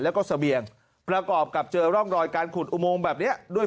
แล้วก็เสบียงประกอบกับเจอร่องรอยการขุดอุโมงแบบนี้ด้วย